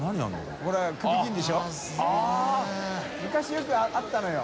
よくあったのよ。